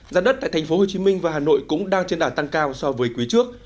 giá đất tại tp hcm và hà nội cũng đang trên đả tăng cao so với quý trước